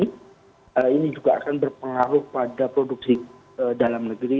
baru mulai agustus ini ini juga akan berpengaruh pada produksi dalam negeri